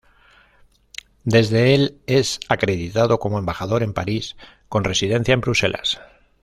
Desde el es acreditado como Embajador en París con residencia en Bruselas.